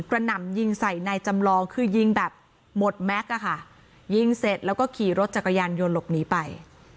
หนำยิงใส่นายจำลองคือยิงแบบหมดแม็กซ์อะค่ะยิงเสร็จแล้วก็ขี่รถจักรยานยนต์หลบหนีไป